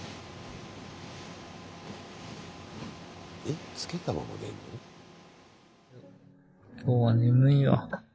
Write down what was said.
えっつけたまま寝んの？